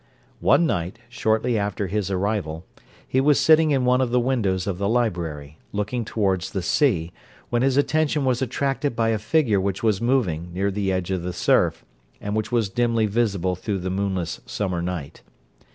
One night, shortly after his arrival, he was sitting in one of the windows of the library, looking towards the sea, when his attention was attracted by a figure which was moving near the edge of the surf, and which was dimly visible through the moonless summer night.